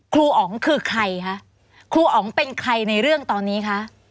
ครูอ๋องคือใครคะครูอ๋องเป็นใครในเรื่องตอนนี้คะ